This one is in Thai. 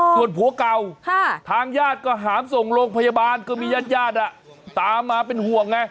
ส่วนผัวเก่าทางญาติก็หามส่งโรงพยาบาลก็มีญาติญาติตามมาเป็นห่วงไง